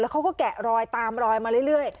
เขาก็แกะรอยตามรอยมาเรื่อย